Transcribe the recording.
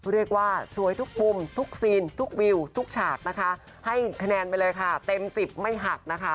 เรียกว่าสวยทุกมุมทุกซีนทุกวิวทุกฉากนะคะให้คะแนนไปเลยค่ะเต็มสิบไม่หักนะคะ